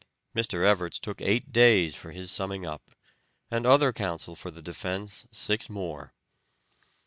Mr. Evarts took eight days for his summing up, and other counsel for the defense six more.